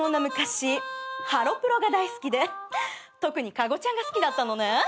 昔ハロプロが大好きで特に加護ちゃんが好きだったのね。